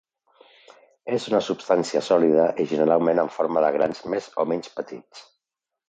És una substància sòlida i generalment en forma de grans més o menys petits.